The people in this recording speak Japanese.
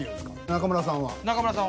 中村さんは？